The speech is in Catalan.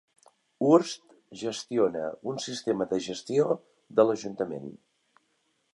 Hurst gestiona un sistema de gestió de l'ajuntament.